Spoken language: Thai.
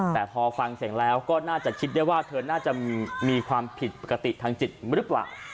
แต่พอฟังเสียงแล้วก็น่าจะคิดได้ว่าเธอน่าจะมีความผิดปกติทางจิตหรือเปล่า